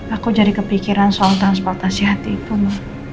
aku jadi kepikiran soal transportasi hati itu mbak